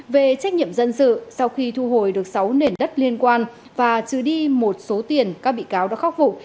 về trách nhiệm dân sự sau khi thu hồi được sáu nền đất liên quan và trừ đi một số tiền các bị cáo đã khắc phục